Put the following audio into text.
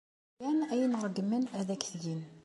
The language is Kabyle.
Gan ayen ay ṛeggmen ad ak-t-gen.